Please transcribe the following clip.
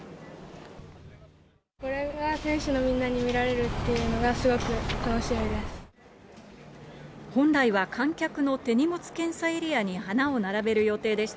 これが選手のみんなに見られるっていうのが、すごく楽しみです。